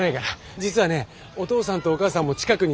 実はねお父さんとお母さんも近くに。